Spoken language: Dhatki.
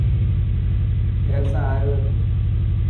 کير سان آيو هي تون.